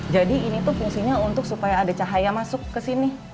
jadi ini tuh fungsinya untuk supaya ada cahaya masuk ke sini